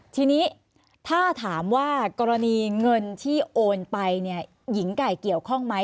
ทีนี้ถ้าถามว่ากรณีเงินที่โอนไปเนี่ยหญิงไก่เกี่ยวข้องไหม